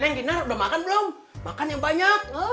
neng kinar udah makan belum makan yang banyak